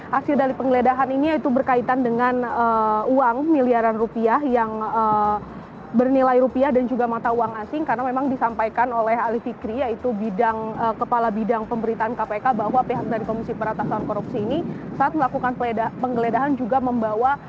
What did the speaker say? hasil dari penggeledahan ini yaitu berkaitan dengan uang miliaran rupiah yang bernilai rupiah dan juga mata uang asing karena memang disampaikan oleh ali fikri yaitu bidang kepala bidang pemberitaan kpk bahwa pihak dari komisi peratasan korupsi ini saat melakukan penggeledahan juga membawa